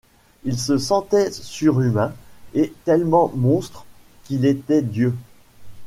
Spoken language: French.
Il se sentait surhumain, et tellement monstre qu’il était dieu.